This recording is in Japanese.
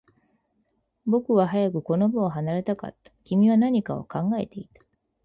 僕は早くこの場を離れたかった。君は何かを考えていた。